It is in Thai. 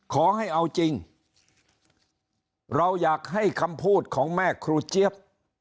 ขอให้เอาจริงเราอยากให้คำพูดของแม่ครูเจี๊ยบ